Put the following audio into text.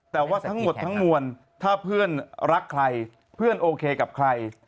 แต่ว่าทั้งหมดทั้งมวลถ้าเพื่อนรักใครเพื่อนโอเคกับใคร